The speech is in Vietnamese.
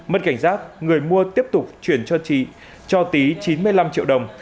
mất cảnh giác người mua tiếp tục chuyển cho tý chín mươi năm triệu đồng